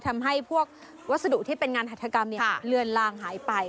ทำให้พวกวัสดุที่เป็นงานหัฐกรรมเลือนลางหายไป